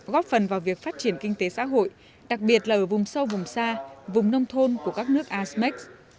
góp phần vào việc phát triển kinh tế xã hội đặc biệt là ở vùng sâu vùng xa vùng nông thôn của các nước asean